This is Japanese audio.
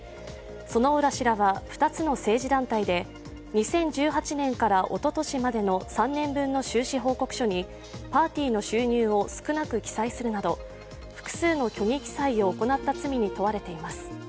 薗浦氏らは２つの政治団体で２０１８年からおととしまでの３年分の収支報告書にパーティーの収入を少なく記載するなど複数の虚偽記載を行った罪に問われています。